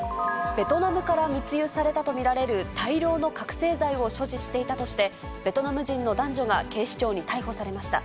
ベトナムから密輸されたと見られる大量の覚醒剤を所持していたとして、ベトナムの男女が警視庁に逮捕されました。